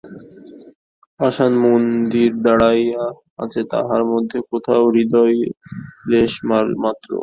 পাষাণমন্দির দাড়াইয়া আছে, তাহার মধ্যে কোথাও হৃদয়ের লেশমাত্র নাই।